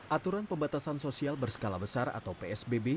aturan pembatasan sosial berskala besar atau psbb